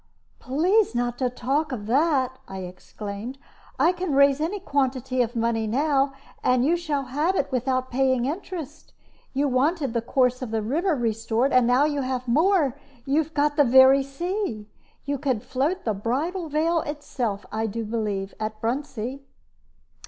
"Please not to talk of that," I exclaimed. "I can raise any quantity of money now, and you shall have it without paying interest. You wanted the course of the river restored, and now you have more you have got the very sea. You could float the Bridal Veil itself, I do believe, at Bruntsea."